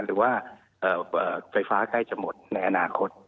หรือว่าไฟฟ้าใกล้จะหมดในอนาคต